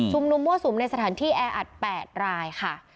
ดูมัวซึมในสถานที่แออัด๘รายค่ะ